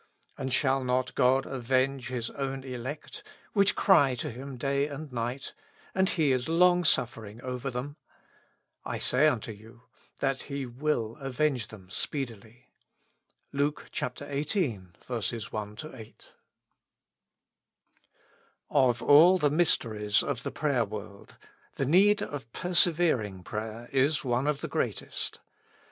And shall not God avejtge His own elect, zvhich cry to Him day and nighty and He is long suffering over ihem ? I say tinto you, that He will avenge them speedily. — LuKE xviii. 1 8. OF all the mysteries of the prayer world, the need of persevering prayer is one of the greatest.